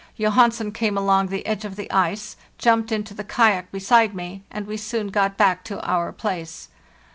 Johansen came along the edge of the ice, jumped into the kayak beside me, and we soon got back to our place.